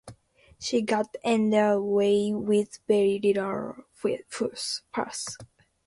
She got under weigh with very little fuss.